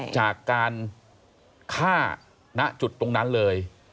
จากการฆ่าณจุดตรงนั้นเลย